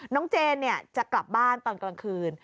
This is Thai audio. เจนจะกลับบ้านตอนกลางคืน